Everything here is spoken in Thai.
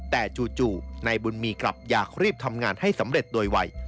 แต่จู่นายบุญมีกลับอยากรีบทำงานให้สำเร็จโดยวัย